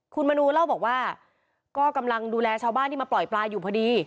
คุณมนูเล่าบอกว่าก็กำลังดูแลชาวบ้านที่มาปล่อยปลาอยู่พอดี